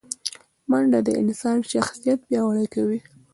منډه د انسان شخصیت پیاوړی کوي